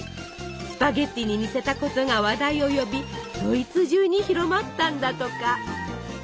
スパゲッティに似せたことが話題を呼びドイツ中に広まったんだとか。